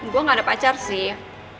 gue gak ada pacar sih